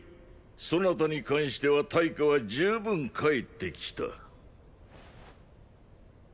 そなたに関しては対価は十分返ってきた。